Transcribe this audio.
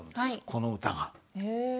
この歌が。